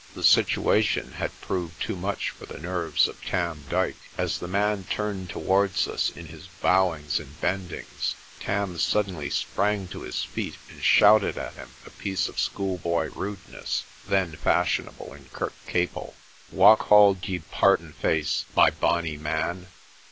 The situation had proved too much for the nerves of Tarn Dyke. As the man turned towards us in his bowings and bendings, Tarn suddenly sprang to his feet and shouted at him a piece of schoolboy rudeness then fashionable in Kirkcaple. "Wha called ye partan face, my bonny man?"